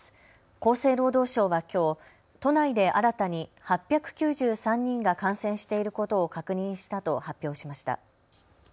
厚生労働省はきょう都内で新たに８９３人が感染していることを確認したと発表しました。